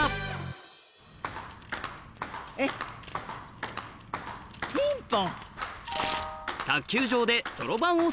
えっピンポン！